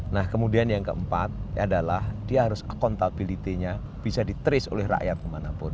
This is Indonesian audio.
nah kemudian yang keempat adalah dia harus accountability nya bisa di trace oleh rakyat kemanapun